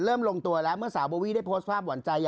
เริ่มตัวแล้วเมื่อสาวโบวี่ได้พสถ์ภาพวนใจ